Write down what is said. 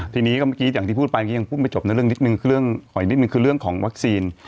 ทีนี้ก็เมื่อกี้อย่างที่พูดไปยังพูดไม่จบนะเรื่องนิดนึงคือเรื่องของวัคซีน